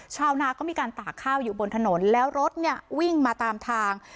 ชาวนาก็มีการตากข้าวอยู่บนถนนแล้วรถเนี่ยวิ่งมาตามทาง